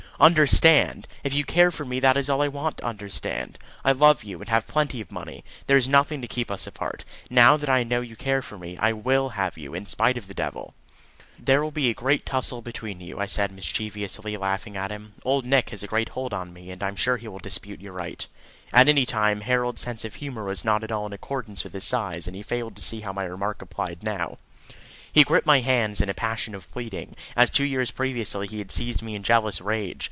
"Understand! If you care for me, that is all I want to understand. I love you, and have plenty of money. There is nothing to keep us apart. Now that I know you care for me, I will have you, in spite of the devil." "There will be a great tussle between you," I said mischievously, laughing at him. "Old Nick has a great hold on me, and I'm sure he will dispute your right." At any time Harold's sense of humour was not at all in accordance with his size, and he failed to see how my remark applied now. He gripped my hands in a passion of pleading, as two years previously he had seized me in jealous rage.